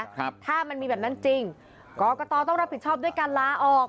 ครับถ้ามันมีแบบนั้นจริงกรกตต้องรับผิดชอบด้วยการลาออก